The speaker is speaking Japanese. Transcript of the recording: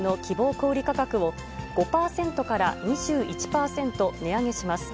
小売り価格を、５％から２１％値上げします。